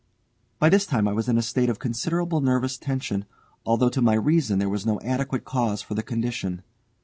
By this time I was in a state of considerable nervous tension, although to my reason there was no adequate cause for the condition.